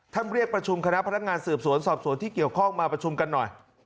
เรียกประชุมคณะพนักงานสืบสวนสอบสวนที่เกี่ยวข้องมาประชุมกันหน่อย